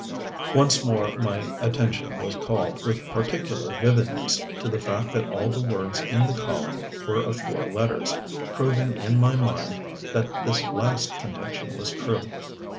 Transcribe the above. Once more my attention was called, with particular vividness, to the fact that all the words in the column were of four letters, proving in my mind that this last contention was true.